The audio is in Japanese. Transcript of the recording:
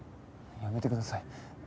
やめてください。